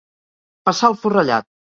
Passar el forrellat.